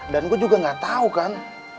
dan gue juga gak tau kan